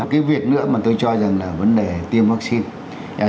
cái việc nữa mà tôi cho rằng là vấn đề tiêm vaccine